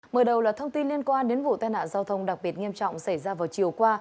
mở đầu là thông tin liên quan đến vụ tai nạn giao thông đặc biệt nghiêm trọng xảy ra vào chiều qua